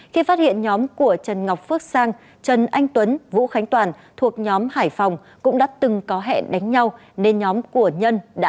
khi phát hiện nhóm của trần ngọc phước sang trần anh tuấn vũ khánh toàn thuộc nhóm hải phòng cũng đã từng có hẹn